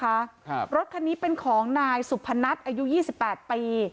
ครับรถคันนี้เป็นของนายสุพนัทอายุยี่สิบแปดปี